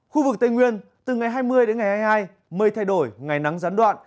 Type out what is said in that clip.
khu vực tây nguyên từ ngày hai mươi đến ngày hai mươi hai mây thay đổi ngày nắng gián đoạn